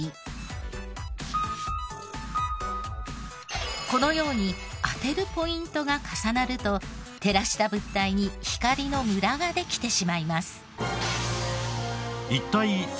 例えばこのように当てるポイントが重なると照らした物体に光のムラができてしまいます。